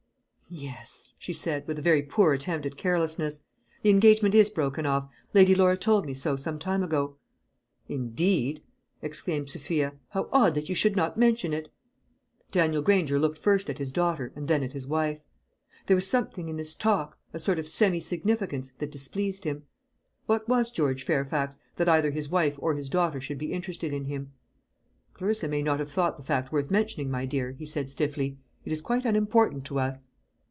"Yes," she said, with a very poor attempt at carelessness, "the engagement is broken off. Lady Laura told me so some time ago." "Indeed!" exclaimed Sophia. "How odd that you should not mention it!" Daniel Granger looked first at his daughter, and then at his wife. There was something in this talk, a sort of semi significance, that displeased him. What was George Fairfax, that either his wife or his daughter should be interested in him? "Clarissa may not have thought the fact worth mentioning, my dear," he said stiffly. "It is quite unimportant to us."